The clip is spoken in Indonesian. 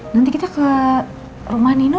nanti kita ke rumah nino